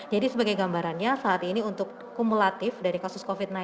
jadi sebagai gambarannya saat ini untuk kumulatif dari kasus covid sembilan belas